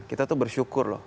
kita tuh bersyukur loh